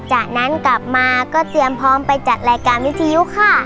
จากนั้นกลับมาก็เตรียมพร้อมไปจัดรายการวิทยุค่ะ